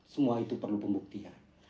semua itu perlu pembuktian